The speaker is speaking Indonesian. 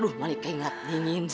aduh malika ingat dingin